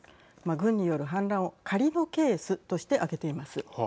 軍による反乱を仮のケースとして挙げています。